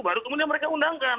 baru kemudian mereka undangkan